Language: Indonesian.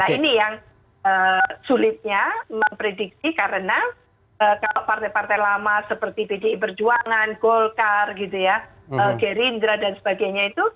nah ini yang sulitnya memprediksi karena kalau partai partai lama seperti pdi perjuangan golkar gerindra dan sebagainya itu